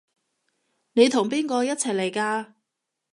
你同邊個一齊嚟㗎？